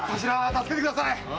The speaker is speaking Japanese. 助けてください！